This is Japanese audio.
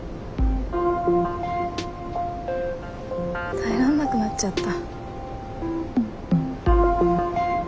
耐えられなくなっちゃった。